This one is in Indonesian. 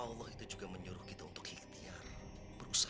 allah itu juga menyuruh kita untuk ikhtiar